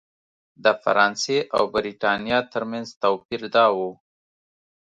د فرانسې او برېټانیا ترمنځ توپیر دا و.